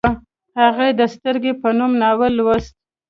هغې د سترګې په نوم ناول لوست